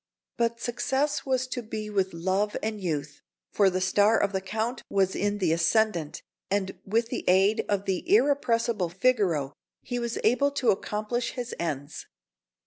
But success was to be with love and youth; for the star of the Count was in the ascendant, and, with the aid of the irrepressible Figaro, he was able to accomplish his ends.